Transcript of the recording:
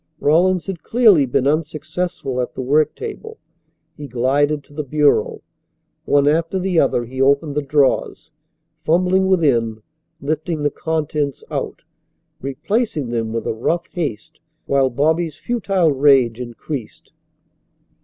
Rawlins had clearly been unsuccessful at the work table. He glided to the bureau. One after the other he opened the drawers, fumbling within, lifting the contents out, replacing them with a rough haste while Bobby's futile rage increased.